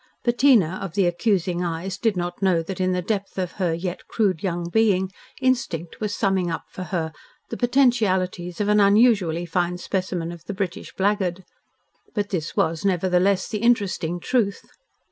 Bettina of the accusing eyes did not know that in the depth of her yet crude young being, instinct was summing up for her the potentialities of an unusually fine specimen of the British blackguard, but this was nevertheless the interesting truth.